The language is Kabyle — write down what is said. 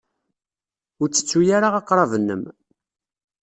Ur ttettu ara aqrab-nnem.